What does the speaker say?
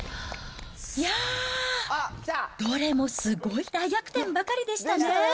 いやー、どれもすごい大逆転ばかりでしたね。